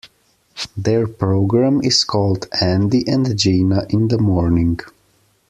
Their program is called Andy and Gina in the Morning.